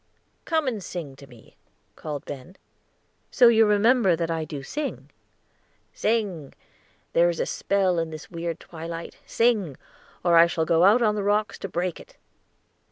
"Come and sing to me," called Ben. "So you remember that I do sing?" "Sing; there is a spell in this weird twilight; sing, or I go out on the rocks to break it."